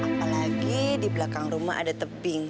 apalagi di belakang rumah ada tebing